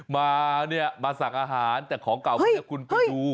มาเนี่ยมาสั่งอาหารแต่ของเก่าเมื่อคุณไปดู